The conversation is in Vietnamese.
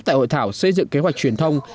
tại hội thảo xây dựng kế hoạch truyền thông